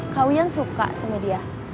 kauian suka sama dia